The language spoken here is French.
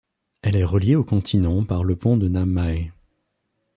Elle est reliée au continent par le pont de Namhae.